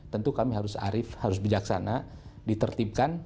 tentu kami harus arif harus bijaksana ditertibkan